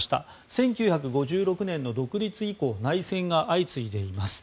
１９５６年の独立以降内戦が相次いでいます。